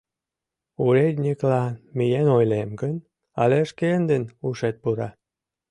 Уредньыклан миен ойлем гын, але шкендын ушет пура.